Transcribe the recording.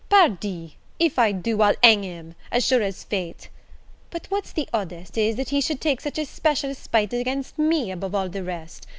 "Pardi, if I do, I'll hang him, as sure as fate! but what's the oddest, is, that he should take such a special spite against me above all the rest!